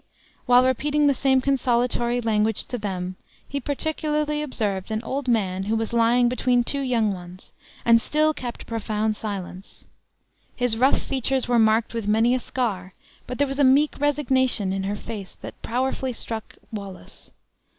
While repeating the same consolatory language to them, he particularly observed an old man who was lying between two young ones, and still kept a profound silence. His rough features were marked with many a scar, but there was a meek resignation in her face that powerfully struck Wallace.